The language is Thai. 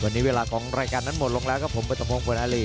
วันนี้เวลาของรายการนั้นหมดลงแล้วครับผมปัตภงบนอารี